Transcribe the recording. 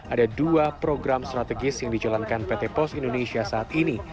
ada dua program strategis yang dijalankan pt pos indonesia saat ini